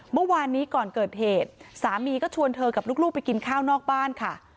เมื่อวานนี้ก่อนเกิดเหตุสามีก็ชวนเธอกับลูกไปกินข้าวนอกบ้านค่ะ